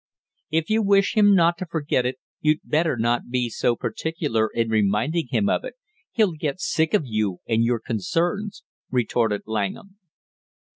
"If you wish him not to forget it, you'd better not be so particular in reminding him of it; he'll get sick of you and your concerns!" retorted Langham.